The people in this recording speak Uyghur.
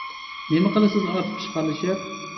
نېمە قىلىسىز ئارتۇق ئىشقا ئارىلىشىپ؟